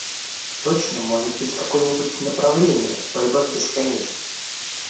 Точно может быть какое-нибудь направление и борьба в бесконечном!